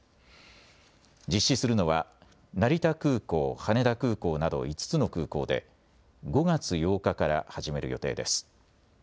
実施するのは成田空港、羽田空港など５つの空港で５月８日から始める予定です。